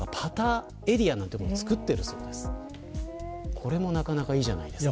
これもなかなかいいじゃないですか。